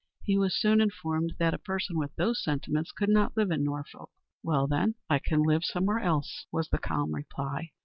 He was soon informed "that a person with those sentiments could not live in Norfolk." "Well then, I can live somewhere else," was the calm reply.